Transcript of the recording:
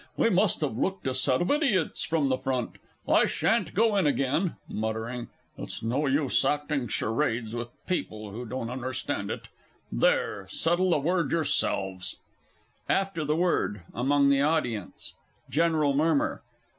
We must have looked a set of idiots from the front. I sha'n't go in again (muttering). It's no use acting Charades with people who don't understand it. There; settle the Word yourselves! AFTER THE WORD. AMONG THE AUDIENCE. GENERAL MURMUR.